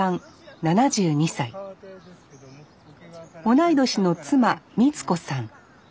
同い年の妻光子さん。